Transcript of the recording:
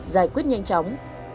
giải quyết nhanh chóng